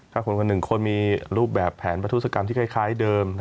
ถ้าคนคนหนึ่งคนมีรูปแบบแผนประทุศกรรมที่คล้ายเดิม